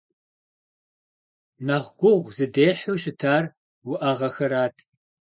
Нэхъ гугъу зыдехьу щытар уӏэгъэхэрат.